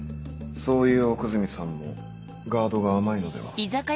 そういう奥泉さんもガードが甘いのでは？